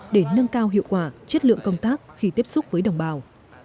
để nâng cao hiệu quả chất lượng công tác khi tiếp xúc với đồng bào